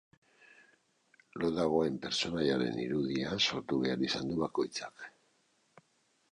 Lo dagoen pertsonaiaren irudia sortu behar izan du bakoitzak.